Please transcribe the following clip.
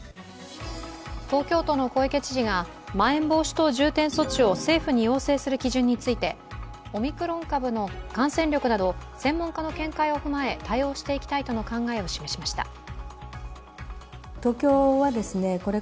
東京都の小池知事が、まん延防止等重点措置を政府に要請する基準についてオミクロン株の感染力など、専門家の見解を踏まえ、対応していきたいとの考えを示しました。